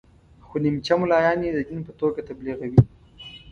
خو نیمچه ملایان یې د دین په توګه تبلیغوي.